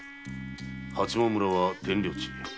八幡村は天領地。